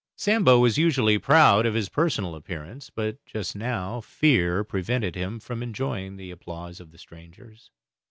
Sambo was usually proud of his personal appearance, but just now fear prevented him from enjoying the applause of the strangers.